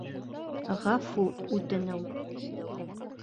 Ғәфү үтенеү